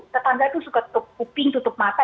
tetangga itu suka tutup kuping tutup mata